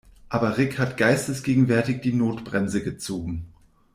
Aber Rick hat geistesgegenwärtig die Notbremse gezogen.